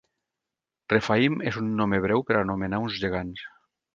Rephaim és un nom hebreu per anomenar uns gegants.